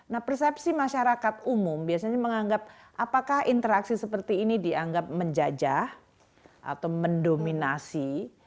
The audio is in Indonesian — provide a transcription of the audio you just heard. nah persepsi masyarakat umum biasanya menganggap apakah interaksi seperti ini dianggap menjajah atau mendominasi